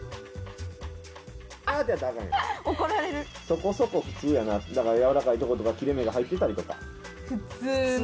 そこそこ普通やなだから軟らかいとことか切れ目が入ってたりとか。